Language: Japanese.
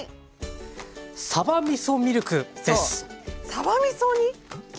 さばみそに牛乳？